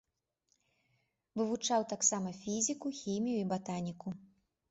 Вывучаў таксама фізіку, хімію і батаніку.